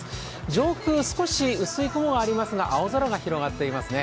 上空少し薄い雲がありますが青空が広がっていますね。